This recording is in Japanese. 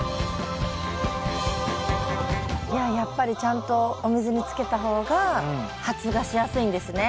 いややっぱりちゃんとお水につけた方が発芽しやすいんですね。